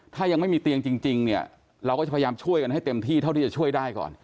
ถ้ายังไม่มีเตียงจริงเนี่ยเราก็จะพยายามช่วยกันให้เต็มที่เท่าที่จะช่วยได้ก่อน